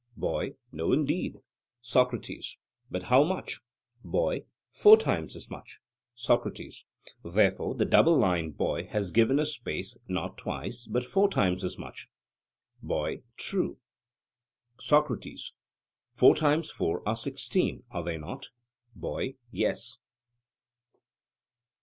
BOY: No, indeed. SOCRATES: But how much? BOY: Four times as much. SOCRATES: Therefore the double line, boy, has given a space, not twice, but four times as much. BOY: True. SOCRATES: Four times four are sixteen are they not? BOY: Yes.